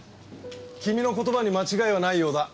君の言葉に間違いはないようだ。